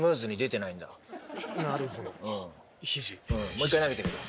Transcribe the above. もう一回投げてみろ。